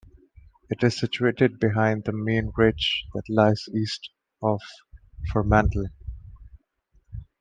It is situated behind the main ridge that lies east of Fremantle.